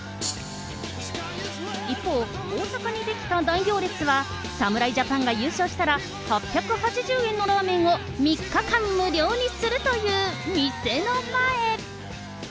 一方、大阪に出来た大行列は、侍ジャパンが優勝したら、８８０円のラーメンを３日間無料にするという店の前。